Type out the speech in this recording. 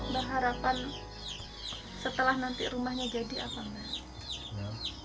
berharapan setelah nanti rumahnya jadi apa enggak